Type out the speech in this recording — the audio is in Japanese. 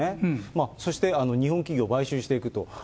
そして日本企業を買収していくと。